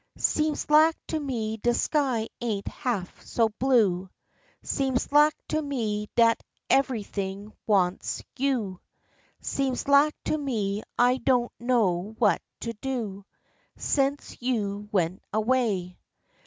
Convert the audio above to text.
Seems lak to me de sky ain't half so blue, Seems lak to me dat ev'ything wants you, Seems lak to me I don't know what to do, Sence you went away.